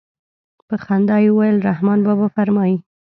په خندا يې وويل رحمان بابا فرمايي.